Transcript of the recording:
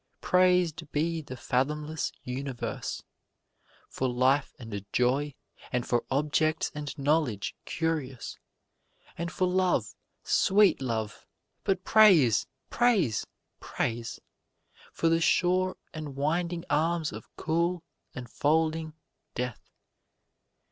Praised be the fathomless universe For life and joy, and for objects and knowledge curious, And for love, sweet love but praise! praise! praise For the sure enwinding arms of cool, enfolding Death.